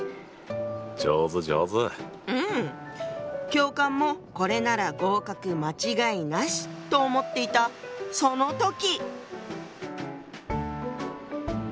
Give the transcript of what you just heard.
教官もこれなら合格間違いなしと思っていたその時！